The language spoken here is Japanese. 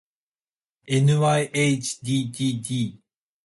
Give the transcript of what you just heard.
ｎｙｈｂｔｂ